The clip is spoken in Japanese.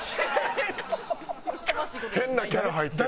変なキャラ入ってるね。